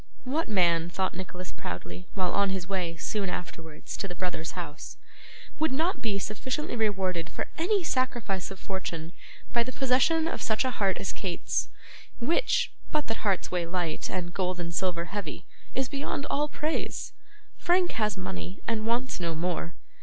'What man,' thought Nicholas proudly, while on his way, soon afterwards, to the brothers' house, 'would not be sufficiently rewarded for any sacrifice of fortune by the possession of such a heart as Kate's, which, but that hearts weigh light, and gold and silver heavy, is beyond all praise? Frank has money, and wants no more.